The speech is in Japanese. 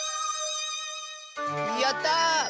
やった！